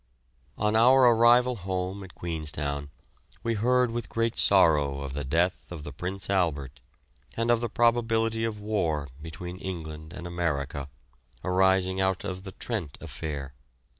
On our arrival home at Queenstown, we heard with great sorrow of the death of the Prince Albert, and of the probability of war between England and America, arising out of the "Trent" affair.